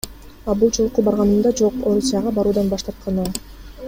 А бул жолку барганымда, жок, Орусияга баруудан баш тарткан оң.